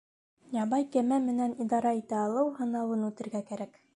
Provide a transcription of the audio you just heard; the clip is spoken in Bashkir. Ябай кәмә менән идара итә алыу һынауын үтергә кәрәк